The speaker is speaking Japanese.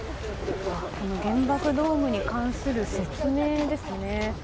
原爆ドームに関する説明ですね。